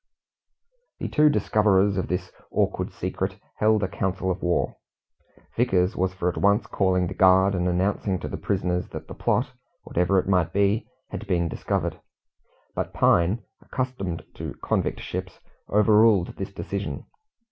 The two discoverers of this awkward secret held a council of war. Vickers was for at once calling the guard, and announcing to the prisoners that the plot whatever it might be had been discovered; but Pine, accustomed to convict ships, overruled this decision.